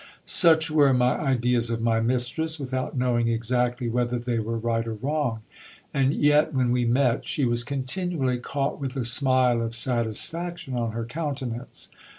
Such were my ideas of my mistress, without knowing exactly whether they were right or wrong. And yet when we met, she was continually caught with a smile of satisfaction on her countenance.